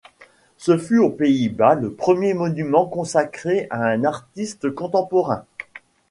Ce fut aux Pays-Bas le premier monument consacré à un artiste contemporain.